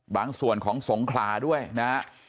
บางส่วนของสงขลาด้วยนะฮะ